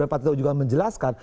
pak tito juga menjelaskan